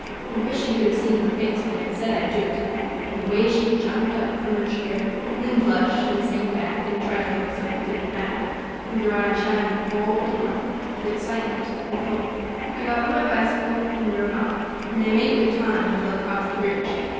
I wish you could have seen her face when I said I'd do it, and the way she jumped up from the chair and then blushed and sank back and tried to look as if it didn't matter with her eyes shining all the time with excitement and hope. I got on my bicycle and rode off, and I made good time until I crossed the bridge.